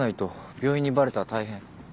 病院にバレたら大変。